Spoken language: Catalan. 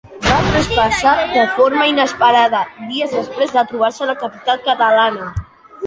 Va traspassar de forma inesperada dies després de trobar-se a la capital catalana.